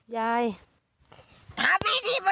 ยาย